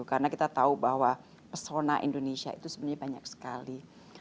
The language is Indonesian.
karena kita tahu bahwa persona indonesia itu sebenarnya banyak sekali